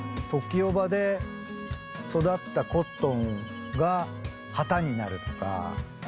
ＴＯＫＩＯーＢＡで育ったコットンが、旗になるとか。